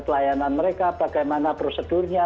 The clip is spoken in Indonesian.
pelayanan mereka bagaimana prosedurnya